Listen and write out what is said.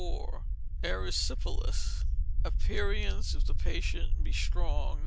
Erysipelas. Aperients, if the patient be strong, No.